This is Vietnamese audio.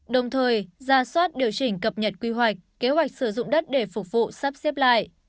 đồng thời ra soát điều chỉnh cập nhật quy hoạch kế hoạch sử dụng đất để phục vụ sắp xếp lại